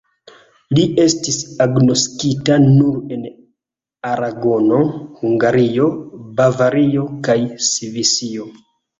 Li estis agnoskita nur en Aragono, Hungario, Bavario kaj Svisio.